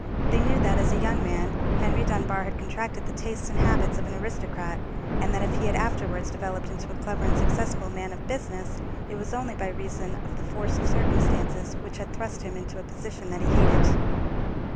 They knew that, as a young man, Henry Dunbar had contracted the tastes and habits of an aristocrat, and that, if he had afterwards developed into a clever and successful man of business, it was only by reason of the force of circumstances, which had thrust him into a position that he hated.